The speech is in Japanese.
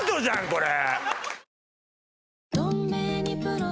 これ。